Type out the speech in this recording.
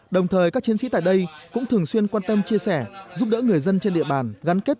đồng thời các chiến sĩ tại đây cũng thường xuyên quan tâm chia sẻ giúp đỡ người dân trên địa bàn gắn kết